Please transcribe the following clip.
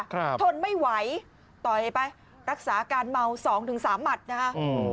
ครับทนไม่ไหวต่อให้ไปรักษาการเมาสองถึงสามหมัดนะคะ